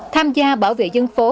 tham gia bảo vệ dân phố